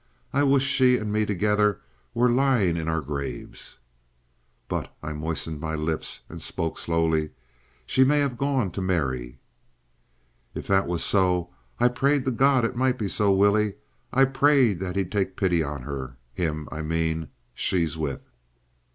I wish she and me together were lying in our graves." "But"—I moistened my lips and spoke slowly—"she may have gone to marry." "If that was so! I've prayed to God it might be so, Willie. I've prayed that he'd take pity on her—him, I mean, she's with."